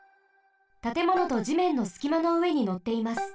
たてものとじめんのすきまのうえにのっています。